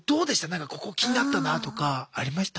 なんかここ気になったなとかありました？